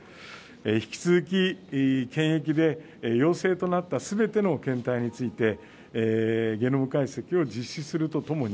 引き続き検疫で陽性となったすべての検体について、ゲノム解析を実施するとともに、